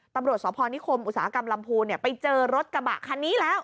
ตำรวจสพนิคมอุตสาหกรรมลำพูนไปเจอรถกระบะคันนี้แล้ว